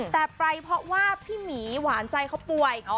แต่ไปเพราะว่าพี่หมีหวานใจเขาป่วย